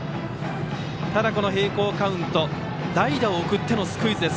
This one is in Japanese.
ただ並行カウントで代打を送ってのスクイズです。